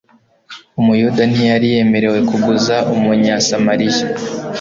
Umuyuda ntiyari yemerewe kuguza Umunyasamariya,